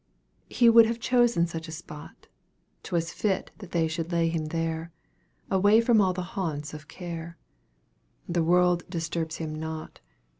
He would have chosen such a spot, 'Twas fit that they should lay him there, Away from all the haunts of care; The world disturbs him not.